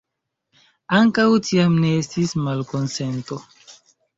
Ankaŭ tiam ne estis malkonsento.